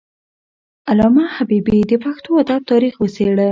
علامه حبيبي د پښتو ادب تاریخ وڅیړه.